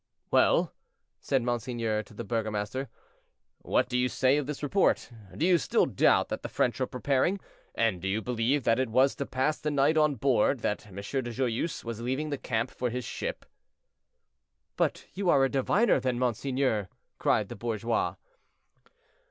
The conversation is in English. "Well," said monseigneur to the burgomaster, "what do you say of this report? Do you still doubt that the French are preparing, and do you believe that it was to pass the night on board that M. de Joyeuse was leaving the camp for his ship?" "But you are a diviner, then, monseigneur," cried the bourgeois.